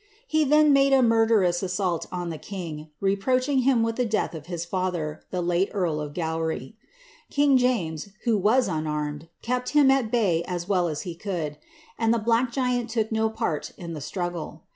He then made a murderous assault on the king, reproaching him with the death of his father, the late earl of Gowry. King James, who was unarmed, kept him at bay as well as he could ; and the black giant took no part in the struggle.